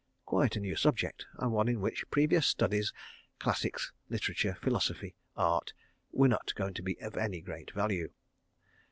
Quite a new subject, and one in which previous studies, Classics, Literature, Philosophy, Art, were not going to be of any great value.